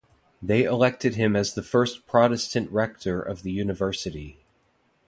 They elected him as the first Protestant rector of the university.